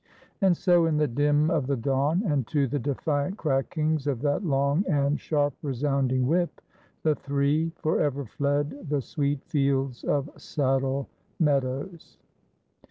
And so, in the dim of the dawn and to the defiant crackings of that long and sharp resounding whip, the three forever fled the sweet fields of Saddle Meadows.